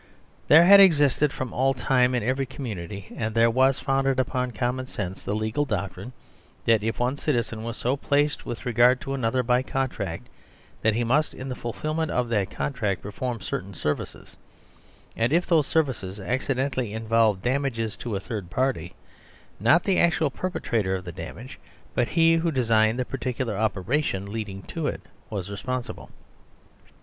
There had existed from all time in every com munity, and there was founded upon common sense, the legal doctrine that if one citizen was so placed with regard to another by contract that he must in the fulfilment of that contract perform certain ser vices, and if those services accidentally involved damages to a third party, not the actual perpetrator of the damage, but he who designed the particular operation leading to it was responsible.